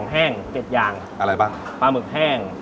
หอยเชียวแห้ง